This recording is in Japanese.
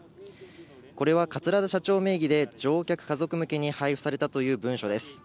これは桂田社長名義で乗客家族向けに配布されたという文書です。